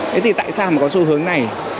thế thì tại sao mà có xu hướng này